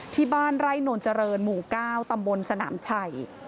ที่บ้านไร่นวลเจริญหมู่๙ตำบลสนามชัย